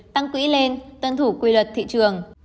tăng quỹ lên tân thủ quy luật thị trường